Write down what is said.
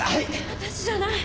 私じゃない。